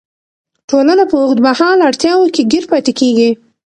ټولنه په اوږدمهاله اړتیاوو کې ګیر پاتې کیږي.